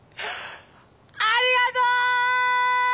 ありがとう！